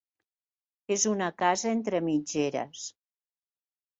És una casa entre mitgeres.